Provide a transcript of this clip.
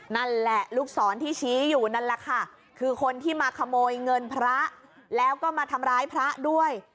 นั่นแหละลูกศรที่ชี้อยู่นั่นแหละค่ะคือคนที่มาขโมยเงินพระแล้วก็มาทำร้ายพระด้วย